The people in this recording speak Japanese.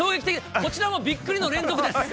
こちらもびっくりの連続です。